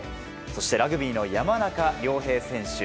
ラグビーの山中亮平選手。